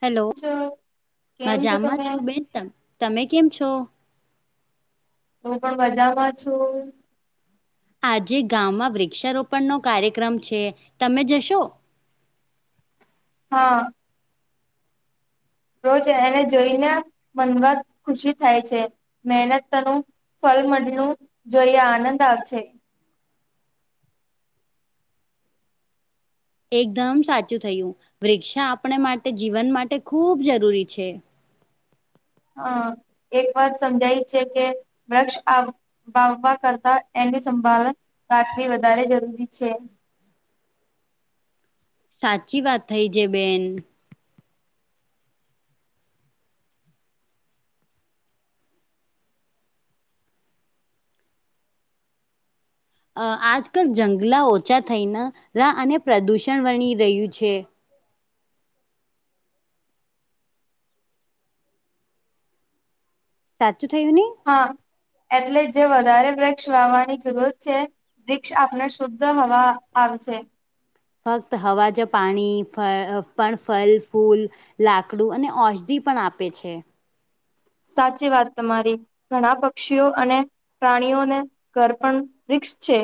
હાલો, છો કેમ છો મજામાં તમે છું બેન, હું ત તમે કેમ છો? હું પણ મજામાં છું. આજે ગામમાં વૃક્ષારોપણ નો કાર્યક્રમ છે, તમે જશો? હા. રોજ એને જોઈને મનમાં ખુશી થાય છે. મહેનતનું ફલ મળનું જોઈએ, આનંદ આવશે. એકદમ સાચું થયું. વૃક્ષા આપણે માટે જીવન માટે ખૂબ જરૂરી છે. હા, એક વાત સમજાય છે કે વૃક્ષ આ વાાવવા કરતા એની સંભાળ રાખવી વધારે જરૂરી છે. સાચી વાત થઈ છે બેન. અ આજકાલ જંગલા ઓછા થઈને રા અને પ્રદુષણ વણી રહ્યું છે. સાચું થાય ને? હા એટલે જે વધારે વૃક્ષ વાવવાની જરૂર છે વિક્ષ આપને શુદ્ધ હવા આવશે. ફક્ત હવા જ પાણી ફ પણ ફલ ફૂલ લાકડું અને ઔષધી પણ આપે છે. સાચી વાત તમારી, ઘણા પક્ષીઓ અને પ્રાણીઓને ઘર પણ વિક્ષ છે.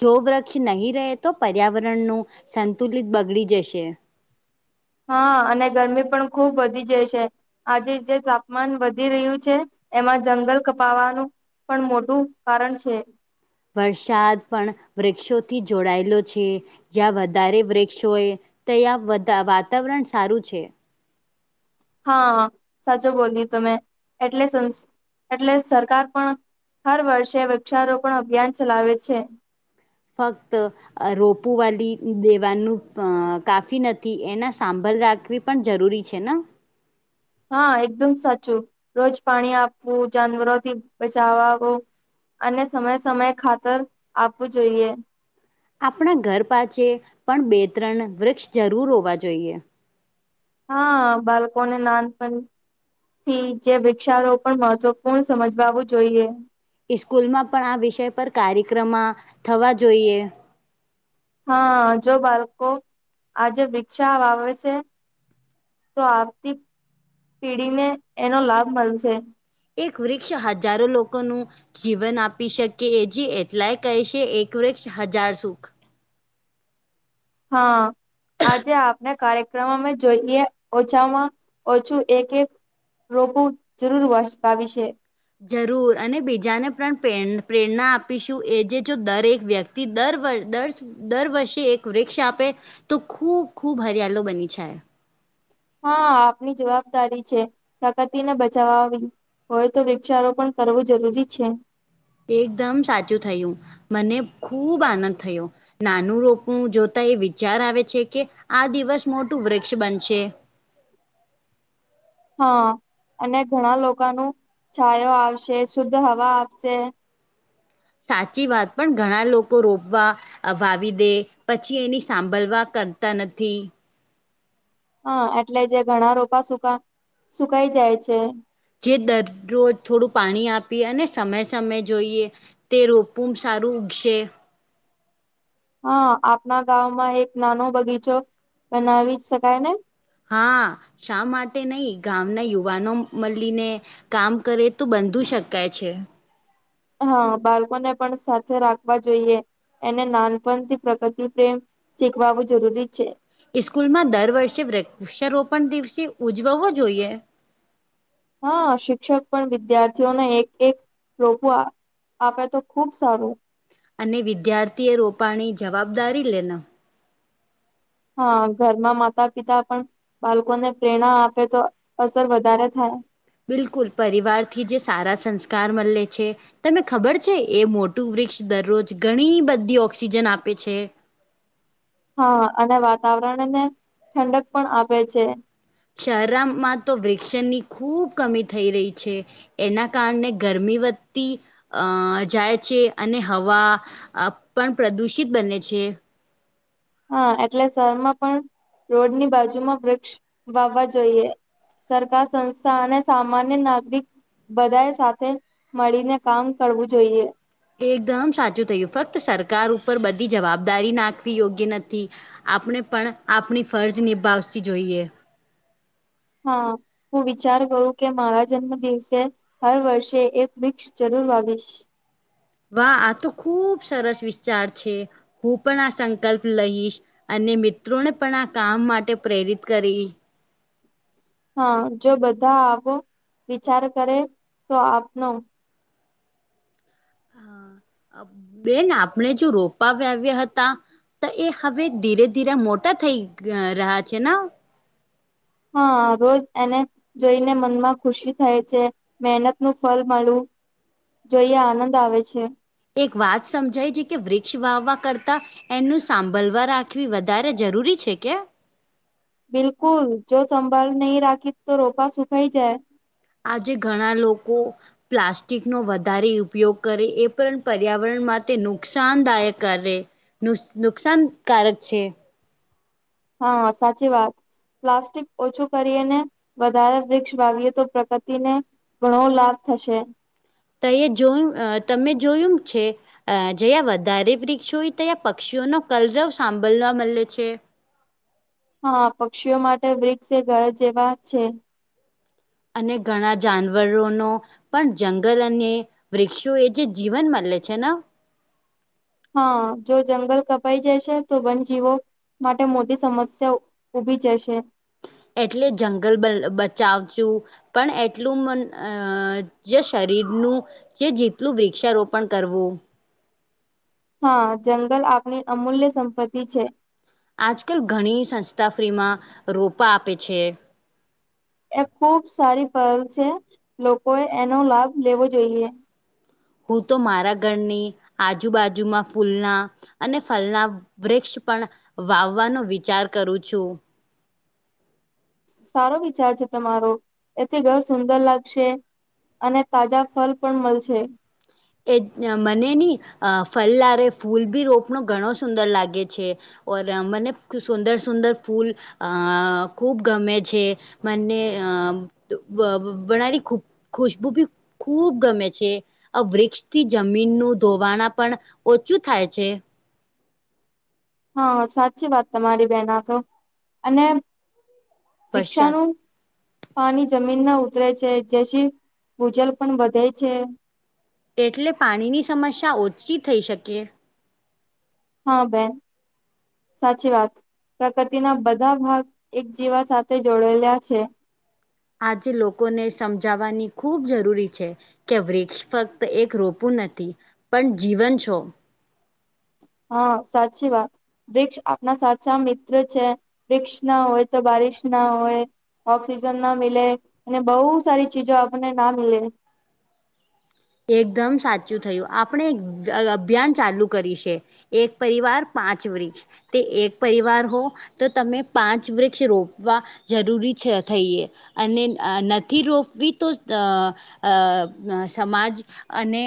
જો વૃક્ષ નહીં રહે તો પર્યાવરણનું સંતુલિત બગડી જશે. હા અને ગરમી પણ ખુબ વધી જાય છે. આજે જે તાપમાન વધી રહ્યું છે એમાં જંગલ કપાવાનું પણ મોટું કારણ છે. વરસાદ પણ વૃક્ષોથી જોડાયેલો છે. જ્યાં વધારે વૃક્ષ હોય ત્યાં વાતાવરણ સારું છે. હા સાચો બોલી તમે. એટલે સંસ એટલે સરકાર પણ હર વર્ષે વૃક્ષારોપણ અભિયાન ચલાવે છે. ફક્ત આ રોપુવાલી દેવાનું કાફી નથી એના સાંભળ રાખવી પણ જરૂરી છે ને? હા એકદમ સાચું, રોજ પાણી આપવું, જાનવરોથી બચાવું અને સમયે સમયે ખાતર આપવું જોઈએ. આપણા ઘર પાછે પણ બે ત્રણ વૃક્ષ જરૂર હોવા જોઈએ. હા બાળકોને નાનપ થી જે વૃક્ષારોપણ મહત્વપૂર્ણ સમજવાવું જોઈએ. ઇસ્કૂલમાં પણ આ વિષય પર કાર્યક્રમ થવા જોઈએ. હા જો બાળકો આજે વિકષા વાવે છે તો આવતી પીઢીને એનો લાભ મળશે. એક વૃક્ષ હજારો લોકોનું જીવન આપી શકી એ જ એટલાય કહે છે એક વૃક્ષ હજાર સુખ હા. આજેઆપણે કાર્યક્રમમાં જોઈએ ઓછામાં ઓછું એક રોપો જરૂર વસ્તાવી છે. જરૂર અને બીજાને પણ પ્રેરણા આપીશું એ જે જો દરેક વ્યક્તિ તે દર વર દશ દરવર્ષે એક વૃક્ષ આપે તો ખૂબ ખૂબ હરિયાલો બની જાય. હા આપણીજવાબદારી છે પ્રકૃતિને બચાવવી હોય તો વૃક્ષારોપણ કરવું જરૂરી છે. એકદમ સાચું થયું મને ખૂબ આનંદ થયો. નાનું રોપવું જોતા એ વિચાર આવે છે કે આ દિવસ મોટું વૃક્ષ બનશે હા અને ઘણા લોકો ને છાયો આપશે શુદ્ધ હવા આપશે. સાચી વાત પણ ઘણા લોકો રોપવા આવાવી દે પછી એની સાભલવા કરતા નથી. હા એટલે જે ઘણા રોપા સુકા સુકાઈ જાય છે. જે દરરોજ થોડું પાણી આપી અને સમય સમય જોઈએ. તે રોપુ સારું ઉગશે હા આપણા ગામમાં એક નાનો બગીચો બનાવી જ શકાય ને હા શા માટે નહી ગામના યુવાનો મળીને કામ કરે તો બંધુ શકાય છે. હા બાળકોને પણ સાથે રાખવા જોઈએ. એને નાનપણથી પ્રકૃતિ પ્રેમ શીખાળવો જરૂરી છે. ઈસ્કૂલમાં દર વર્ષે વૃક્ષારોપણ દિવસ ઉજવવો જોઈએ. હા શિક્ષક પણ વિદ્યાર્થીઓને એક એક રોપવા આપે તો ખુબ સારું. અને વિદ્યાર્થીએ રોપવાની જવાબદારી લેના હા ઘરમાં માતા પિતા પણ બાળકોને પ્રેરણા આપે તો અસર વધારે થાય. બિલકુલ પરિવારથી જે સારા સંસ્કાર મલે છે તમે ખબર છે એ મોટું વૃક્ષ દરરોજ ઘણી બધી ઓક્સિજન આપે છે. હા અને વાતાવરણને ઠંડક પણ આપે છે. શહેરોમાં તો વૃક્ષની ખૂબ કમી થઈ રહી છે. એના કારણે ગરમી વધતી અ જાય છે અને હવા આ પણ પ્રદુષિત બને છે. હા એટલે શહેરના રોડની બાજુમાં વૃક્ષ વાવવા જોઈએ. સરકાર સંસ્થા અને સામાન્ય નાગરિક બધાએ સાથે મળીને કામ કરવું જોઈએ. એકદમ સાચું કહ્યું ફક્ત સરકાર ઉપર બધી જવાબદારી નાખવી યોગ્ય નથી. આપણે પણ આપણી ફરજ નિભાવવી જોઈએ. હા હું વિચાર કરું કે મારા જન્મ દિવસે હર વર્ષે એક વૃક્ષ જરૂર વાવીશ વાહ આ તો ખુબ સરસ વિચાર છે. હું પણ આ સંકલ્પ લઈશ અને મિત્રોને પણ આ કામ માટે પ્રેરિત કરીશ. હા જો બધા આવો વિચાર કરે તો આપણો હા બેન આપણે જો રોપા વ્યાવ્યા હતા તહે હવે ધીરે ધીરે મોટા થઈ રહ્યા છે ને? હા રોજ એને જોઈને મનમાં ખુશી થાય છે મહેનત નું ફળ મળ્યુ. જોઈને આનંદ આવે છે. એક વાત સમજાય જે કે વૃક્ષ વાવવા કરતા. એનું સાંભલવા રાખવી વધારે જરૂરી છે કે. બિલકુલ જો સંભળ નહી રાખી તો રોપા સુખાઈ જાય. આજે ઘણા લોકો પ્લાસ્ટિકનો વધારે ઉપયોગ કરે એ પણ પર્યાવરણ માટે નુકસાનદાયક કરે. નુ નુકસાનકારક છે. હા સાચી વાત. પ્લાસ્ટિક ઓછું કરીને વધારે વૃક્ષ વાવીએ તો પ્રગતિને ઘણો લાભ થશે. તો એ જોયું તમે જોયું છે. અ જયાં વધારે વૃક્ષો હોય તં પક્ષીઓનોો કલરવ સાંભળવા મળે છે. હા પક્ષીઓ માટે વૃક્ષ એ ઘર જેવા છે. અને ઘણા જાનવરોનો પણ જંગલ અને વૃક્ષો એ જે જીવન મળ લે છે ને. હા જો જંગલ કપાઈ જશે તો બનજીવો. માટે મોટી સમસ્યા ઉઊભી જશે. એટલે જંગલ બચાવ છું. પણ એટલું મ અ જે શરીરનું જે જેટલું વૃક્ષારોપણ કરવું. હા જંગલ આપણી અમૂલ્ય સંપત્તિ છે. આજકાલ ઘણી સંસ્થા ફ્રીમાં રોપા આપે છે. એ ખુબ સારી પલ છે લોકોએ એનો લાભ લેવો જોઈએ. હું તો મારા ઘરની આજુબાજુમાં ફૂલના અને ફલના વૃક્ષ પણ વાવવાનો વિચાર કરું છું. સારો વિચાર છે તમારો એથી ઘ સુંદર લાગશે. અને તાજા ફલ પણ મળશે. એ મને ની અ ફલદારે ફૂલ બી રોપનો ઘણો સુંદર લાગે છે. ઓર મને સુંદર સુંદર ફૂલ અ ખૂબ ગમે છે. મને અ બનાલી ખૂબ ખુશબુ ભી ખૂબ ગમે છે. આ વૃક્ષ થી જમીનનું ધોવાણા પણ ઓછું થાય છે. હા સાચી વાત તમારી બેહેન તો અને. પશ્ચાત શિક્ષાનું પાણી જમીન ના ઉતરે છે જેથી ભૂજલ પણ વધે છે. એટલે પાણીની સમસ્યા ઓછી થઈ શકે. હા બેન. સાચી વાત પ્રકૃતિના બધા ભાગ એક જેીવા સાથે જોડેલા છે. આજે લોકોને સમજાવવાની ખૂબ જરૂરી છે. કે વૃક્ષ ફક્ત એક રોપું નથી પણ જીવન છો. હા સાચી વાત. વૃક્ષ આપણા સાચા મિત્ર છે વૃક્ષ ના હોય તો બારિશ ના હોય. ઓક્સિજન ના મીલે અને બહુ સારી ચીજો આપણને ના મી. એકદમ સાચું થયું આપણે અભિયાન ચાલુ કરી છે. એક પરિવાર પાંચ વૃક્ષ તે એક પરિવાર હો. તો તમે પાંચ વૃક્ષ રોપવા જરૂરી છે થઈએ. અને નથી રોપવી તો? સમાજ અને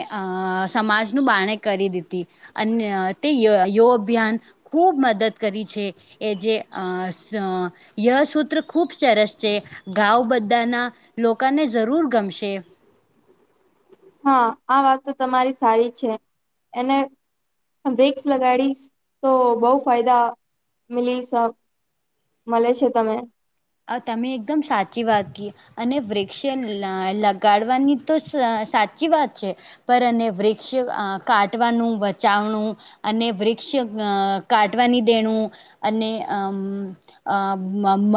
સમાજનું બાણે કરી દીધી. અને તેયો યો અભિયાન ખૂબ મદદ કરી છે. એ જે સ ય સૂત્ર ખૂબ સરસ છે ગાઉ બધાના લોકોને જરૂર ગમશે. હા આ વાત તો તમારી સારી છે એને વીક્સ લગાડીશ તો બહુ ફાયદા મલીશ. મલે છે તમે આ તમે એકદમ સાચી વાત કી. અને વૃક્ષે લા લગાડવાની તો સાચી વાત છે. પર અને વૃક્ષ આ કાટવાનું બચાવણું. અને વૃક્ષ અ કાટવાની દેણું અને અમ અ મ મ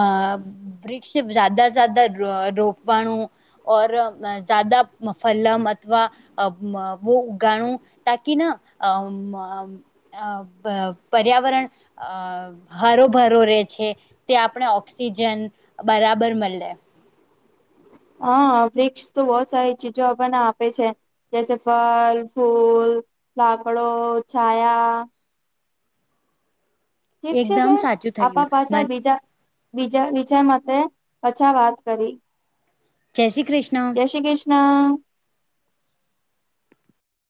વૃક્ષ જાદા જાદા રો રોપવાનું. ઓર જ્યાદા ફલમ અથવા અ વો ઉગાણું તાકી ના અમ અમ અ પર્યાવરણ અ હરો ભરો રહેે છે. તે આપણે ઓક્સિજન બરાબર મેલે. હા વ્રિક્ષ તો બહુ સારી ચીજો આપણને આપે છે. જૈસે ફલ, ફૂલ, લાકડો, છાયા. ઠીક છે એકદમ બેન સાચું થયું આપા પાછા બીજા બીજા વિજય મતે પછા વાત કરી. જય શ્રી ક્રિસ જય શ્રી કૃષ્ણા.